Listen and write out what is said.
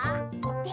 で？